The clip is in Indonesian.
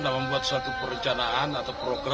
dan membuat suatu perencanaan atau program